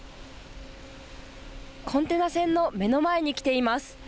コンテナ船の目の前に来ています。